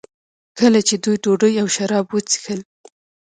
کله چې دوی ډوډۍ او شراب وڅښل.